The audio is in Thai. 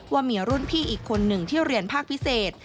ว่ามีรุ่นพี่อีกคนหนึ่งที่เรียนภาคพิเศษ